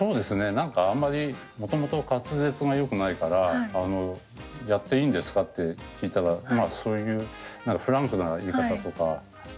何かあんまりもともと滑舌がよくないからあのやっていいんですか？って聞いたらそういう何かフランクな言い方とか何かがいいっておっしゃるんで。